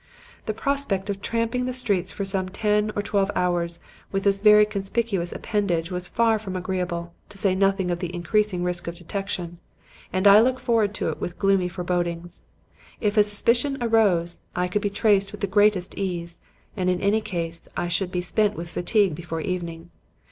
The prospect of tramping the streets for some ten or twelve hours with this very conspicuous appendage was far from agreeable, to say nothing of the increasing risk of detection, and I looked forward to it with gloomy forebodings. If a suspicion arose, I could be traced with the greatest ease, and in any case I should be spent with fatigue before evening.